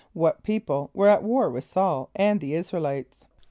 = What people were at war with S[a:]ul and the [)I][s+]´ra el [=i]tes?